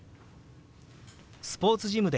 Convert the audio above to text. スポーツジムで。